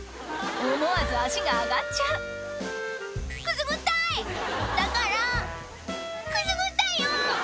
思わず足が上がっちゃう「くすぐったい！だからくすぐったいよ！」